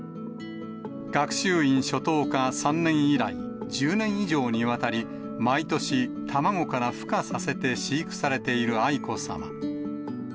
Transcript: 学習院初等科３年以来、１０年以上にわたり、毎年、卵からふ化させて飼育されている愛子さま。